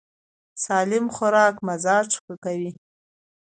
سالم خوراک مزاج ښه کوي.